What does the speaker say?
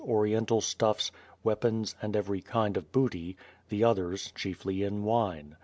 Oriental stuffs, weapons and every 'kind of booty; the others chiefly in wine.